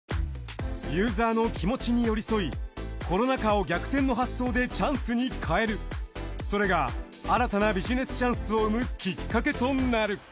ユーザーの気持ちに寄り添いコロナ禍を逆転の発想でチャンスに変えるそれが新たなビジネスチャンスを生むきっかけとなる。